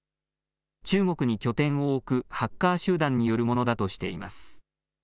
中国に拠点を置くハッカー集団によるものだとしています。